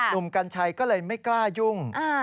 กัญชัยก็เลยไม่กล้ายุ่ง